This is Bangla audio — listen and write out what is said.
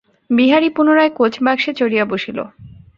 বিহারী পুনরায় কোচবাক্সে চড়িয়া বসিল।